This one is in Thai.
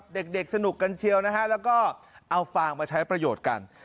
เด็กสนุกกันเชียวนะฮะแล้วก็เอาฟางมาใช้ประโยชน์กัน